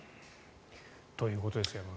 ということですよ。